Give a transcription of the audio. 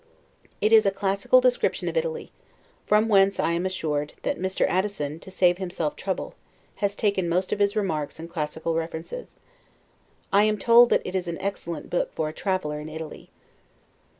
It is a classical description of Italy; from whence, I am assured, that Mr. Addison, to save himself trouble, has taken most of his remarks and classical references. I am told that it is an excellent book for a traveler in Italy.